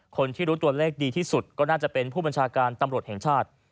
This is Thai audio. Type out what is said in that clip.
คนที่รู้ตัวเลขดีที่สุดก็น่าจะเป็นผู้บัญชาการตำรวจแห่งชาติ